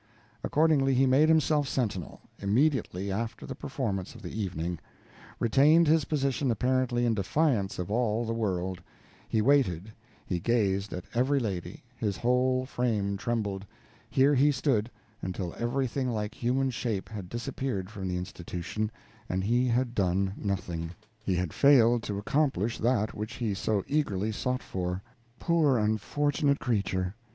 Accordingly he made himself sentinel, immediately after the performance of the evening retained his position apparently in defiance of all the world; he waited, he gazed at every lady, his whole frame trembled; here he stood, until everything like human shape had disappeared from the institution, and he had done nothing; he had failed to accomplish that which he so eagerly sought for. Poor, unfortunate creature!